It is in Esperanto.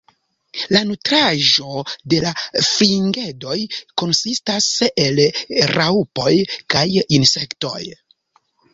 La nutraĵo de la fringedoj konsistas el raŭpoj kaj insektoj.